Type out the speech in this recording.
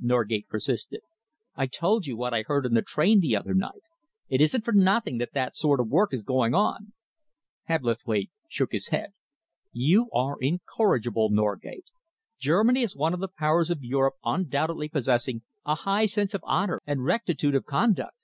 Norgate persisted. "I told you what I heard in the train the other night. It isn't for nothing that that sort of work is going on." Hebblethwaite shook his head. "You are incorrigible, Norgate! Germany is one of the Powers of Europe undoubtedly possessing a high sense of honour and rectitude of conduct.